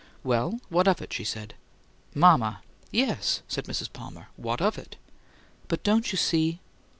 "Well, what of it?" she said. "Mama!" "Yes," said Mrs. Palmer. "What of it?" "But don't you see?"